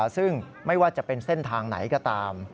ซึ่งไม่ว่าจะเป็นเส้นทางไหนก็ตาม